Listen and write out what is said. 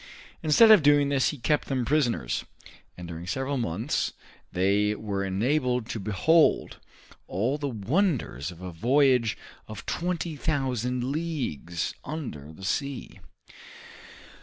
Instead of doing this he kept them prisoners, and during seven months they were enabled to behold all the wonders of a voyage of twenty thousand leagues under the sea.